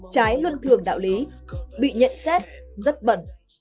trái luân thường đạo lý bị nhận xét rất bẩn